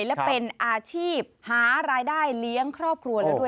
และเป็นอาชีพหารายได้เลี้ยงครอบครัวแล้วด้วย